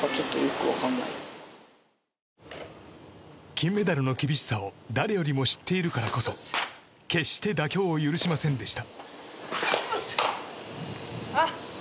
金メダルの厳しさを誰よりも知っているからこそ決して妥協を許しませんでした。